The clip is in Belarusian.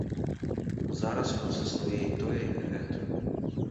Зараз у нас існуе і тое, і гэта.